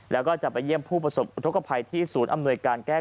แล้วก็จะไปเยี่ยมผู้ประสบอุทธกภัยที่ศูนย์อำนวยการแก้